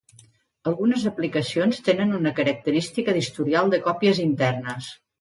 Algunes aplicacions tenen una característica d'historial de còpies internes.